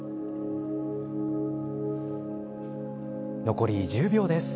残り１０秒です。